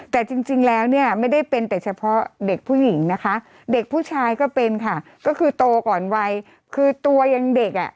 แต่จริงแล้วเนี่ยไม่ได้เป็นแต่เฉพาะเด็กผู้หญิงนะคะเด็กผู้ชายก็เป็นค่ะก็คือโตก่อนวัยคือตัวยังเด็กอ่ะ